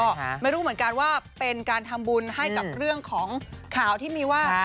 ก็ไม่รู้เหมือนกันว่าเป็นการทำบุญให้กับเรื่องของข่าวที่มีว่า